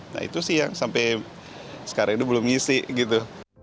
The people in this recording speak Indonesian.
nah itu sih yang sampai sekarang ini belum ngisi gitu